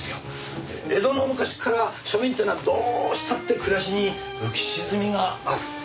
江戸の昔から庶民ってのはどうしたって暮らしに浮き沈みがある。